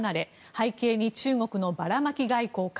背景に中国のばらまき外交か。